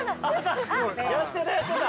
やってたやってた！